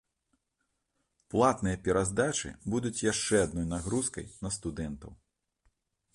Платныя пераздачы будуць яшчэ адной нагрузкай на студэнтаў.